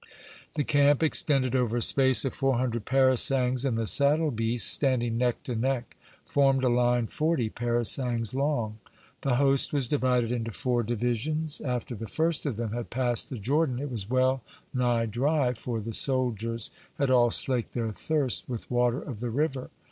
The camp extended over a space of four hundred parasangs, and the saddle beasts standing neck to neck formed a line forty parasangs long. The host was divided into four divisions. After the first of them had passed the Jordan, it was well nigh dry, for the soldiers had all slaked their thirst with water of the river.